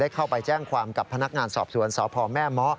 เข้าไปแจ้งความกับพนักงานสอบสวนสพแม่เมาะ